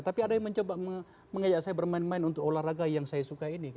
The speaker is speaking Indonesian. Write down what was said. tapi ada yang mencoba mengajak saya bermain main untuk olahraga yang saya suka ini